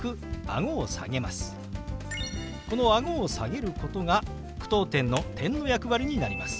このあごを下げることが句読点の「、」の役割になります。